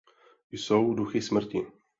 Jsou duchy smrti.